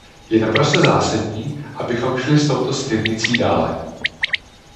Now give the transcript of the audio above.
Je proto naprosto zásadní, abychom šli s touto směrnicí dále.